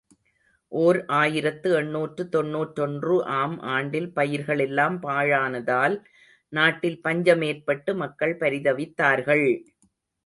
ஓர் ஆயிரத்து எண்ணூற்று தொன்னூற்றொன்று ஆம் ஆண்டில் பயிர்கள் எல்லாம் பாழானதால் நாட்டில் பஞ்சம் ஏற்பட்டு மக்கள் பரிதவித்தார்கள்!